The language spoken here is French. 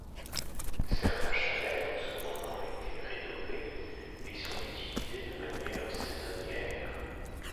Certains chalets ont cependant été rénovés et sont utilisés de manière saisonnière.